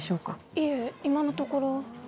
いえ今のところ。